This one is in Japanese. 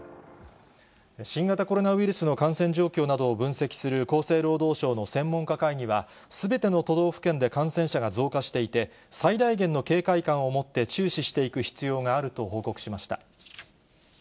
新型コロナウイルスの感染状況などを分析する厚生労働省の専門家会議は、すべての都道府県で感染者が増加していて、最大限の警戒感を持って、注視していく必要があると報告しました。